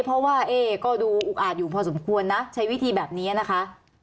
เพราะว่าเอ๊ก็ดูอุกอาจอยู่พอสมควรนะใช้วิธีแบบนี้นะคะ